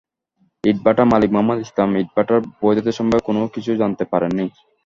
ইটভাটার মালিক মোহাম্মদ ইসলাম ইটভাটার বৈধতা সম্পর্কে কোনো কিছু জানাতে পারেননি।